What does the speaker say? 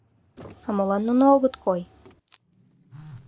— А молан нуно огыт кой?